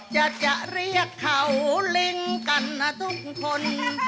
จะเรียกเขาลิงกันนะทุกคน